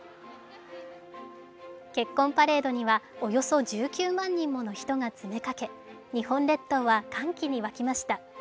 結婚パレードには、およそ１９万人もの人が詰めかけ日本列島は歓喜に沸きました。